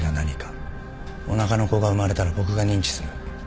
おなかの子が生まれたら僕が認知する。